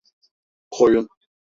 Koyun…